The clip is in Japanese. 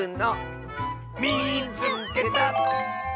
「みいつけた！」。